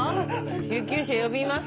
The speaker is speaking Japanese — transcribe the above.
救急車呼びます？